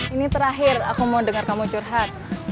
ini terakhir aku mau dengar kamu curhat